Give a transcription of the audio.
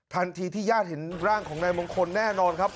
ทันทีที่ญาติเห็นร่างของนายมงคลแน่นอนครับ